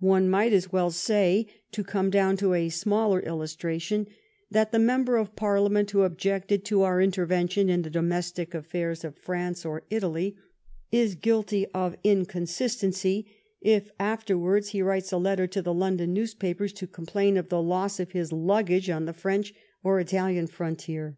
One might as well say, to come down to a smaller illustration, that the Member of Parliament who objected to our intervention in the domestic affairs of France or Italy is guilty of inconsistency if after wards he writes a letter to the London newspapers to complain of the loss of his luggage on the French or Italian frontier.